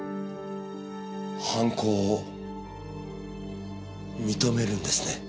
犯行を認めるんですね？